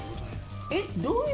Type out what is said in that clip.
えっどういう。